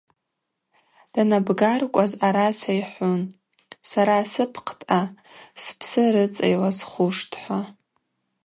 Данабгаркӏваз араса йхӏвун: Сара сыпкъдъа спсы рыцӏа йласхуштӏ, – хӏва.